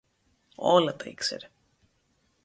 Όλα τα ήξερε